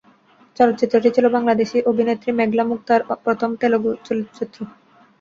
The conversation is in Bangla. চলচ্চিত্রটি ছিল বাংলাদেশি অভিনেত্রী মেঘলা মুক্তার প্রথম তেলুগু চলচ্চিত্র।